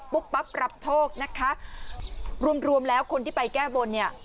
ปั๊บรับโชคนะคะรวมรวมแล้วคนที่ไปแก้บนเนี่ย